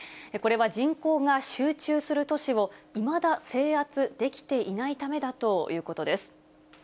これは人口が集中する都市を、いまだ制圧できていないためだということです。